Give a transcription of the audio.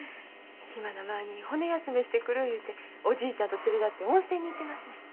暇な間に骨休めしてくる言うておじいちゃんと連れ立って温泉に行ってますねん。